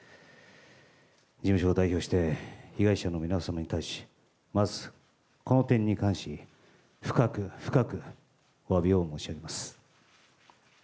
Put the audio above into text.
事務所を代表して、被害者の皆様に対し、まず、この点に関し、深く深くおわびを申し上げます。